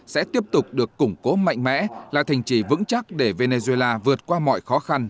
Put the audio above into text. sẽ tiếp tục được củng cố mạnh mẽ là thành trì vững chắc để venezuela vượt qua mọi khó khăn